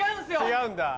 違うんだ。